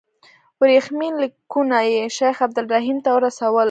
ورېښمین لیکونه یې شیخ عبدالرحیم ته رسول.